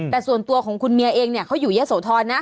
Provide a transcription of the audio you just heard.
แต่ส่วนตัวของคุณเมียเองเนี่ยเขาอยู่เยอะโสธรนะ